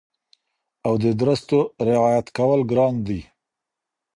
او د درستو رعایت کول ګران دي